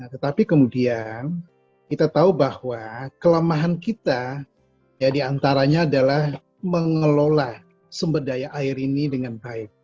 tetapi kemudian kita tahu bahwa kelemahan kita ya diantaranya adalah mengelola sumber daya air ini dengan baik